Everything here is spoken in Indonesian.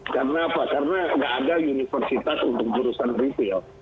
karena apa karena nggak ada universitas untuk jurusan retail